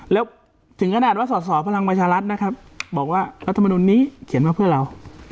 แล้วถึงขนาดว่าสสพลังมชาตินะครับบอกว่ารัฐบนวณไซม์นี้เขียนมาเพื่อเรา